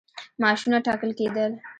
معاشونه ټاکل کېدل.